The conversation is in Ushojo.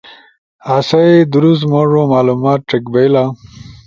اسئی درست موڙو معلومات ڇک بئیلا